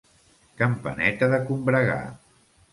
Campaneta de combregar.